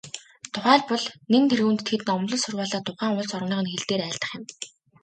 Тухайлбал, нэн тэргүүнд тэд номлол сургаалаа тухайн улс орных нь хэл дээр айлдах юм.